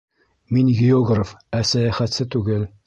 Мин географ, ә сәйәхәтсе түгел.